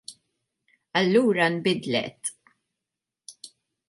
Allura nbidlet.